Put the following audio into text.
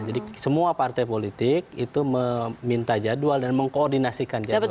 jadi semua partai politik itu meminta jadwal dan mengkoordinasikan jadwalnya